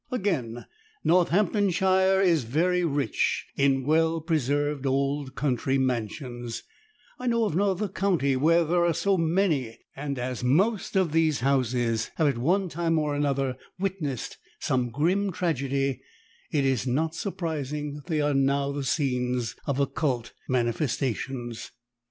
Again, Northamptonshire is very rich in well preserved old country mansions I know of no other county where there are so many and as most of these houses have at one time or another witnessed some grim tragedy, it is not surprising that they are now the scenes of occult manifestations.